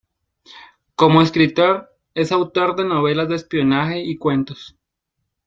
Como escritor, es autor de novelas de espionaje y cuentos.